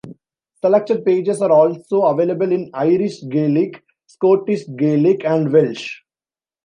Selected pages are also available in Irish Gaelic, Scottish Gaelic and Welsh.